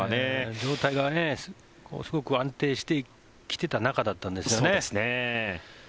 状態がすごく安定してきていた中だったんですよね。